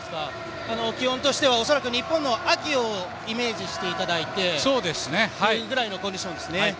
気温としては恐らく日本の秋をイメージしていただくくらいのコンディションですね。